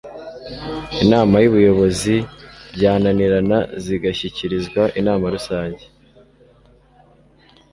inama y'ubuyobozi, byananirana zigashyikirizwa inama rusange